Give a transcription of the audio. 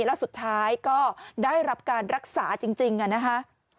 แล้วสุดท้ายก็ได้รับการรักษาจริงนะคะ